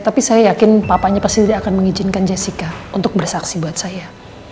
tapi saya yakin papanya pasti tidak akan mengizinkan jessica untuk bersaksi buat saya